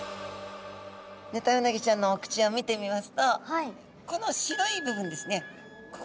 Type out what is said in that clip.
ヌタウナギちゃんのお口を見てみますとこの白い部分ですね。